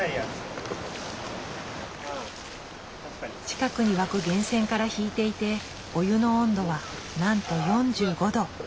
近くに湧く源泉から引いていてお湯の温度はなんと４５度。